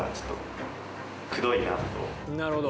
なるほど。